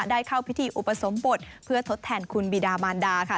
ได้เข้าพิธีอุปสมบทเพื่อทดแทนคุณบิดามานดาค่ะ